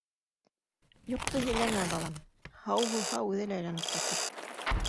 — Юҡты һөйләмә, балам, һау булһа, үҙе лә әйләнеп ҡайтыр.